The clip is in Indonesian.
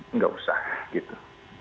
enggak usah gitu